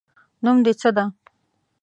نوم د څه ده